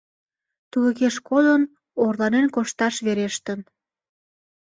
Тулыкеш кодын, орланен кошташ верештын.